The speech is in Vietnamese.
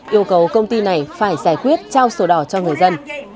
yêu cầu công ty này phải giải quyết trao sổ đỏ cho người dân